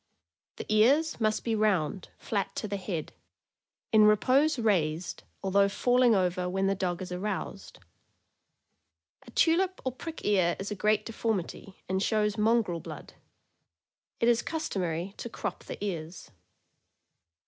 The ears must be round, flat to the head; in repose raised, although falling over when the dog is aroused. A tulip or prick ear is a great deformity, and shows mongrel blood. It is customary to crop the ears.